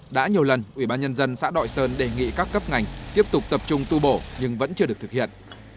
đã nhiều lần ủy ban nhân dân xã đội sơn đề nghị các cấp ngành tiếp tục tập trung tu bổ nhưng vẫn chưa được thực hiện